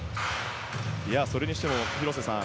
それにしても、広瀬さん